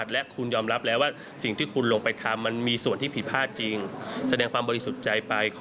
ส่วนอีกคนหนึ่งค่ะ